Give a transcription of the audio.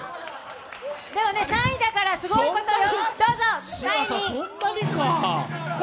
でも３位だから、すごいことよ。